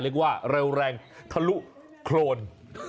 เรียกว่าเร็วแรงทะลุโครน